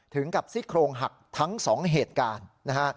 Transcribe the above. ถึงกับซี่โครงหักทั้ง๒เหตุการณ์นะฮะ